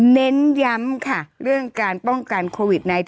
เน้นย้ำค่ะเรื่องการป้องกันโควิด๑๙